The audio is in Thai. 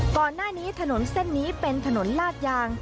ก่อนหน้านี้ถนนเส้นนี้เป็นถนนลาดยาง